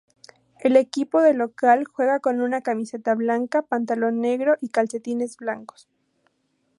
El equipo de local juega con una camiseta blanca, pantalón negro y calcetines blancos.